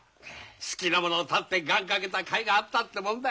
好きなものを断って願かけたかいがあったってもんだ！